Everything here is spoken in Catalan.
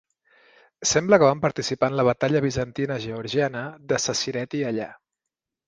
Sembla que van participar en la batalla bizantina-georgiana de Sasireti allà.